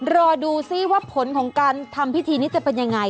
รอดูซิว่าผลของการทำพิธีนี้จะเป็นยังไง